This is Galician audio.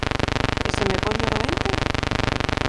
E se me poño doente?